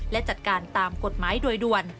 และจัดการตามกฎหมายโดยด่วน